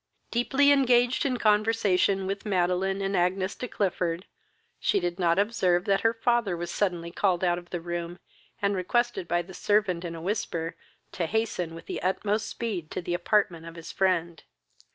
Deeply engaged in conversation with Madeline and Agnes de Clifford, she did not observe that her father was suddenly called out of the room, and requested by the servant in a whisper to hasten with the utmost speed to the apartment of his friend.